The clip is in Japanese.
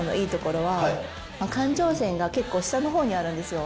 感情線が結構下の方にあるんですよ。